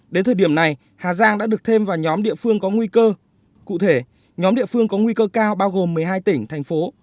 đến thời điểm này hà giang đã được thêm vào nhóm địa phương có nguy cơ cụ thể nhóm địa phương có nguy cơ cao bao gồm một mươi hai tỉnh thành phố